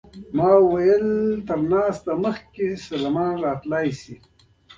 ما وویل: له ناشتې مخکې سلمان راتلای شي؟